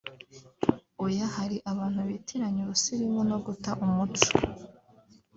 oya hari abantu bitiranya ubusirimu no guta umuco